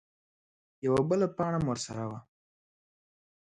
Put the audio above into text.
_يوه بله پاڼه ام ورسره وه.